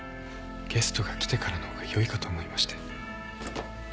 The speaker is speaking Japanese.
ゲストが来てからの方がよいかと思いまして。